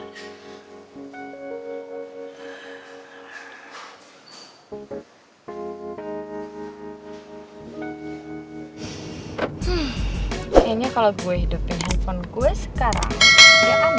hmm kayaknya kalo gue hidupin handphone gue sekarang dia aman nih